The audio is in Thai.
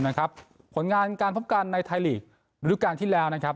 นะครับผลงานการพบการในไทยหลีกโดยทุกการที่แล้วนะครับ